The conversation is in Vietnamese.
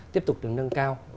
tiếp tục đứng nâng cao